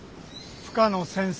深野先生